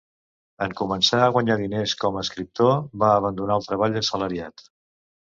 En començar a guanyar diners com a escriptor, va abandonar el treball assalariat.